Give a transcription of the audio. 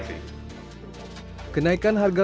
kenaikan harga roko elektrik dan hptl adalah keputusan yang terbaik